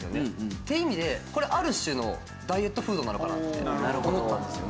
っていう意味でこれある種のダイエットフードなのかなって思ったんですよね。